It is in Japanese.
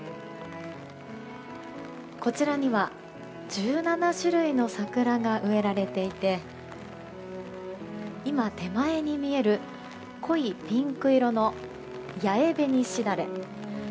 こちらには１７種類の桜が植えられていて今、手前に見える濃いピンク色のヤエベニシダレ。